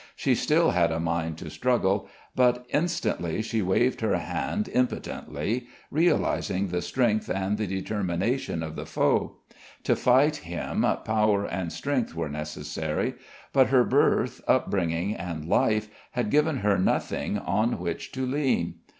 She still had a mind to struggle, but instantly she waved her hand impotently, realising the strength and the determination of the foe. To fight him power and strength were necessary, but her birth, up bringing and life had given her nothing on which to lean.